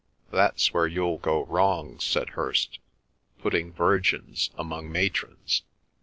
"That's where you'll go wrong," said Hirst. "Putting virgins among matrons."